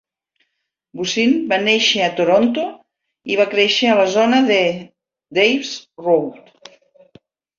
Bussin va néixer a Toronto i va créixer a la zona de Dawes Road.